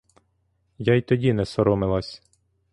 Я й тоді не соромилась.